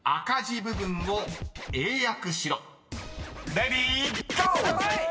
［レディーゴー！］